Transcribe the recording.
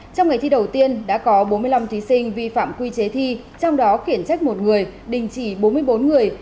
trong ngày thi đầu tiên đã có bốn mươi năm thí sinh vi phạm quy chế thi trong đó khiển trách một người đình chỉ bốn mươi bốn người